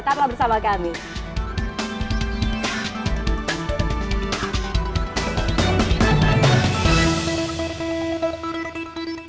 tanpa bs low seperti